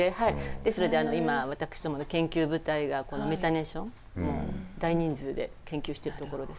ですので今私どもの研究部隊がこのメタネーションもう大人数で研究してるところです。